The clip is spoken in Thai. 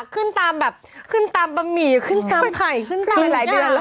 ขึ้นตามแบบขึ้นตามปะหมี่ขึ้นตามไข่ขึ้นตามอีกอย่าง